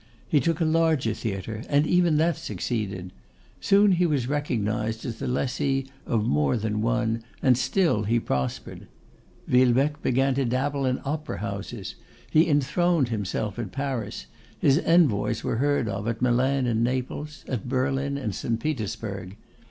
He took a larger theatre, and even that succeeded. Soon he was recognised as the lessee of more than one, and still he prospered. Villebecque began to dabble in opera houses. He enthroned himself at Paris; his envoys were heard of at Milan and Naples, at Berlin and St. Petersburg.